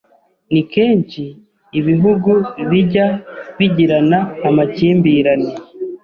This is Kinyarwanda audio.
Ni kenshi ibihugu bijya bigirana amakimbirane